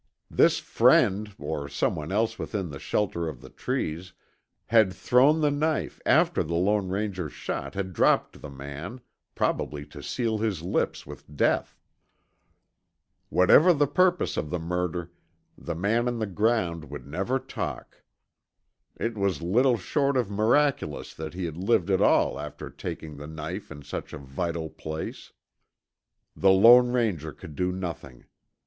This "friend" or someone else within the shelter of the trees had thrown the knife after the Lone Ranger's shot had dropped the man, probably to seal his lips with death. Whatever the purpose of the murder, the man on the ground would never talk. It was little short of miraculous that he had lived at all after taking the knife in such a vital place. The Lone Ranger could do nothing.